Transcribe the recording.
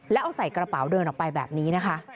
แล้วเอาใส่กระเป๋าเดินออกไปแบบนี้นะคะ